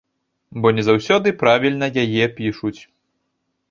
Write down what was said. Бо не заўсёды правільна яе пішуць.